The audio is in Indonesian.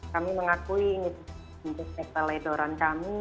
kami mengakui ini itu sebuah peleduran kami